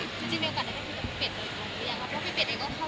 มีโอกาสได้ไปคุยกับพี่เป็ดหน่อยครับ